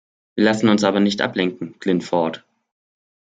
Wir lassen uns aber nicht ablenken, Glyn Ford!